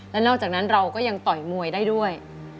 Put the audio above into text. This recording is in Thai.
และนอกจากนั้นเราก็ยังต่อยมวยได้ด้วย